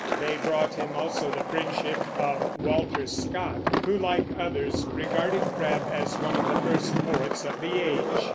They brought him also the friendship of Walter Scott, who, like others, regarded Crabbe as one of the first poets of the age.